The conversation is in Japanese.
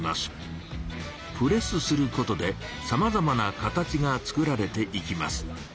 プレスすることでさまざまな形が作られていきます。